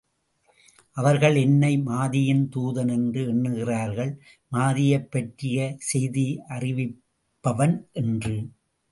அவர்கள் என்னை மாதியின் தூதன் என்று எண்ணுகிறார்கள், மாதியைப்பற்றிய செய்தியறிவிப்பவன் என்று.